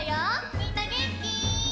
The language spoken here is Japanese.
みんなげんき？